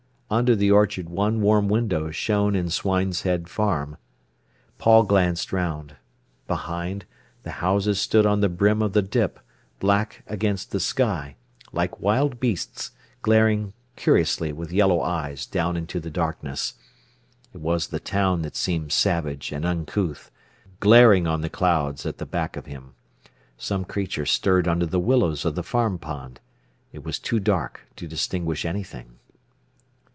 Under the orchard one warm window shone in Swineshead Farm. Paul glanced round. Behind, the houses stood on the brim of the dip, black against the sky, like wild beasts glaring curiously with yellow eyes down into the darkness. It was the town that seemed savage and uncouth, glaring on the clouds at the back of him. Some creature stirred under the willows of the farm pond. It was too dark to distinguish anything.